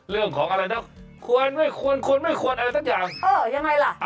เรื่องของอะไรนะควรไม่ควรควรไม่ควรอะไรสักอย่างเออยังไงล่ะ